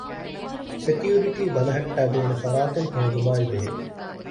ސެކިއުރިޓީ ބަލައްޓައިދޭނެ ފަރާތެއް ހޯދުމާއި ބެހޭ